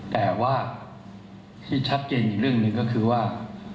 แต่ว่าที่ชัดเจนอีกเรื่องหนึ่งก็คือว่า